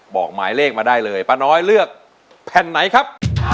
บอกหมายเลขมาได้เลยป้าน้อยเลือกแผ่นไหนครับ